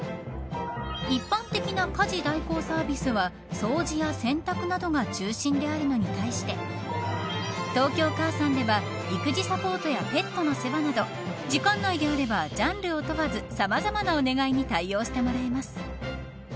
一般的な家事代行サービスは掃除や洗濯などが中心であるのに対して東京かあさんでは育児サポートやペットの世話など時間内であればジャンルを問わずさまざまなお願いに対応してもらえます。